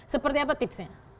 seperti apa tipsnya